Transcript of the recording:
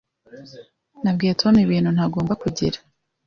Nabwiye Tom ibintu ntagomba kugira.